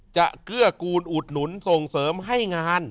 เกื้อกูลอุดหนุนส่งเสริมให้งาน